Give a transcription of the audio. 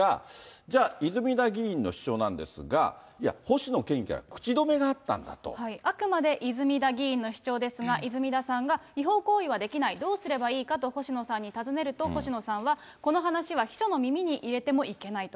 じゃあ、泉田議員の主張なんですが、いや、星野県議から口止めがあったんだと。あくまで泉田議員の主張ですが、泉田さんが違法行為はできない、どうすればいいかと星野さんに尋ねると、星野さんは、この話は秘書の耳に入れてもいけないと。